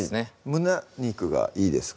胸肉がいいですか？